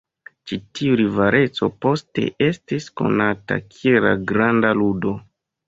Ĉi tiu rivaleco poste estis konata kiel La Granda Ludo.